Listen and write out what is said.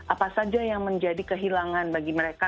apa saja yang menjadi kehilangan bagi mereka